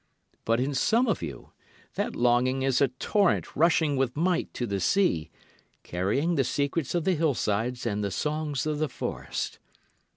But in some of you that longing is a torrent rushing with might to the sea, carrying the secrets of the hillsides and the songs of the forest.